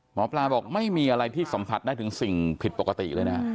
หมอปลาบอกไม่มีอะไรที่สัมผัสได้ถึงสิ่งผิดปกติเลยนะฮะ